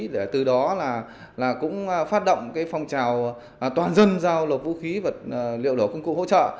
để từ đó cũng phát động phong trào toàn dân giao nộp vũ khí vật liệu nổ công cụ hỗ trợ